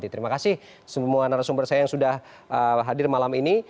terima kasih semua narasumber saya yang sudah hadir malam ini